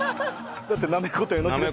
だってなめことえのきですから。